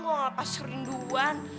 gua ngapa serinduan